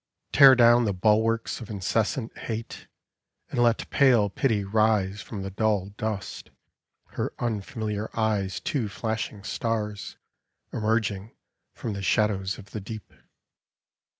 Tear down the bulwarks of incessant Hate, And let pale Pity rise from the dull dust, Her unfamiliar eyes two flashing stars Emei^ing from the shadows of the deep.